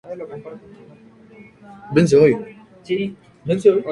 Siendo joven se trasladó a San Petersburgo para estudiar, residiendo allí durante seis años.